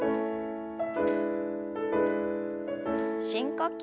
深呼吸。